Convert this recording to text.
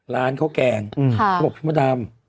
ร้านเขาแกง๖ชั่วโมดาม